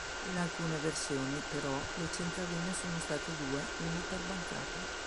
In alcune versioni, però, le centraline sono state due, una per bancata.